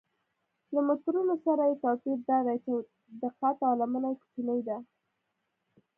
له مترونو سره یې توپیر دا دی چې دقت او لمنه یې کوچنۍ ده.